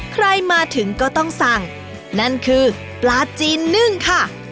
ใครมาถึงก็ต้องสั่งนั่นคือปลาจีนนึ่งค่ะ